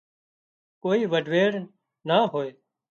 ڪوئي وڍويڙ نا هوئي